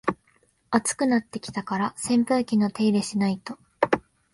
暑くなってきたから扇風機の手入れしないと